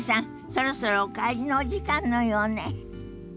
そろそろお帰りのお時間のようね。